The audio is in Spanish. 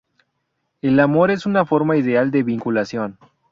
El amor es una forma ideal de vinculación.